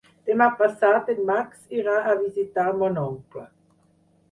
Demà passat en Max irà a visitar mon oncle.